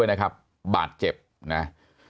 มีความรู้สึกว่า